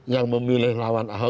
yang memilih lawan ahok